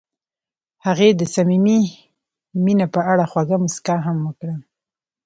هغې د صمیمي مینه په اړه خوږه موسکا هم وکړه.